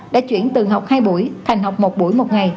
đã chuyển từ học hai buổi thành học một buổi một ngày